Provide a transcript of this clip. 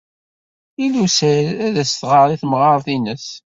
Lila u Saɛid ad as-tɣer i temɣart-nnes.